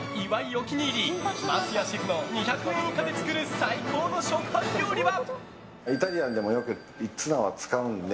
お気に入り枡谷シェフの２００円以下で作る最高の食パン料理は？